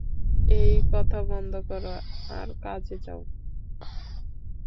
এই, কথা বন্ধ করো, আর কাজে যাও।